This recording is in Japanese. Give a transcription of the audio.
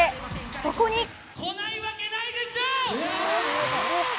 そこに来ないわけないでしょ！